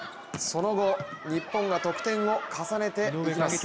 その後、日本が得点を重ねていきます。